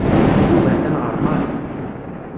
Yuba atan ɣer Mary.